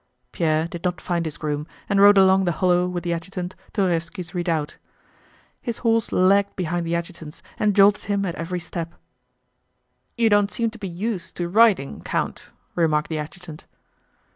Pierre did not find his groom and rode along the hollow with the adjutant to Raévski's Redoubt. His horse lagged behind the adjutant's and jolted him at every step. "You don't seem to be used to riding, Count?" remarked the adjutant.